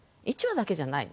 １羽だけじゃない。